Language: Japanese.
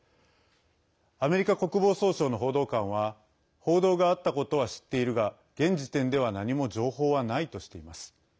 アメリカ国防総省の報道官は報道があったことは知っているが現時点では何も情報はないとしています。